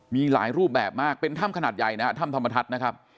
มีหลายรูปแบบมากเป็นถ้ำขนาดใหญ่นะฮะถ้ำธรรมทัศน์นะครับ